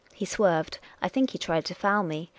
He swerved ; I think he tried to foul me.